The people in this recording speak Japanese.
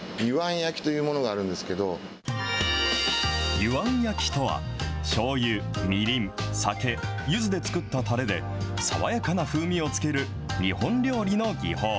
柚庵焼きとは、しょうゆ、みりん、酒、ゆずで作ったたれで、爽やかな風味をつける日本料理の技法。